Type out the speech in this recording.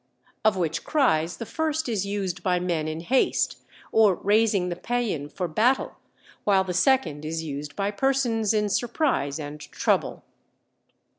of which cries the first is used by men in haste, or raising the pæan for battle, while the second is used by persons in surprise and trouble.